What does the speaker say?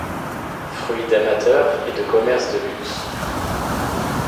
Fruit d'amateur et de commerce de luxe.